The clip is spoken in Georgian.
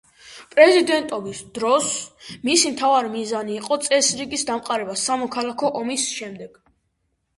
პრეზიდენტობის დროს მისი მთავარი მიზანი იყო წესრიგის დამყარება სამოქალაქო ომის შემდეგ.